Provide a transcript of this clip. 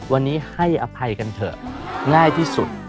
วันนี้ให้อภัยกันเถอะง่ายที่สุด